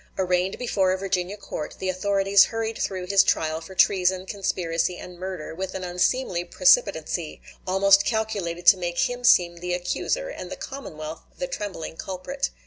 Arraigned before a Virginia court, the authorities hurried through his trial for treason, conspiracy, and murder, with an unseemly precipitancy, almost calculated to make him seem the accuser, and the commonwealth the trembling culprit.